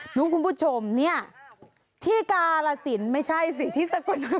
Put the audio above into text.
หนูคุณผู้ชมเนี่ยที่การสินไม่ใช่สิทธิสกลนคร